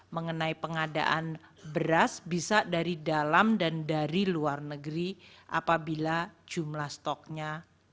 mengenai pengadaan beras bisa dari dalam dan dari luar negeri apabila jumlah stoknya